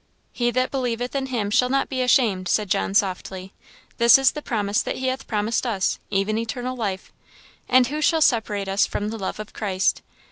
" 'He that believeth in him shall not be ashamed,' " said John, softly. " 'This is the promise that he hath promised us, even eternal life; and who shall separate us from the love of Christ?